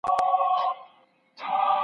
هغه څوک چي ږغ اوري پام کوي.